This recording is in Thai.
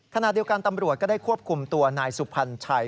ขณะเดียวกันตำรวจก็ได้ควบคุมตัวนายสุพรรณชัย